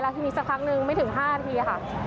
แล้วที่นี่สักครั้งหนึ่งไม่ถึง๕นาทีค่ะ